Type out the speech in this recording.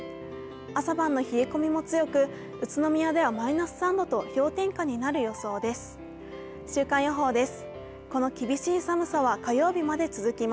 朝晩の冷え込みも強く、宇都宮ではマイナス３度と氷点下になる予想です。